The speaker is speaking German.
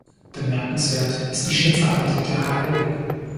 Bemerkenswert ist die Schnitzarbeit der Hl.